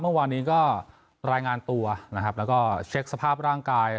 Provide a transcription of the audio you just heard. เมื่อวานนี้ก็รายงานตัวนะครับแล้วก็เช็คสภาพร่างกาย